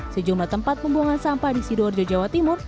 sejumlah tempat pembuangan sampah di sidoarjo jawa timur